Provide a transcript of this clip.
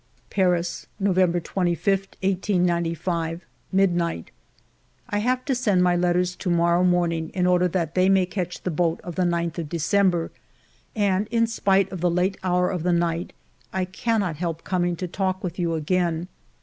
"Paris, November 25, 1895, midnight. " I have to send my letters to morrow morn ing, in order that they may catch the boat of the 9th of December, and in spite of the late hour of the night I cannot help coming to talk with you again.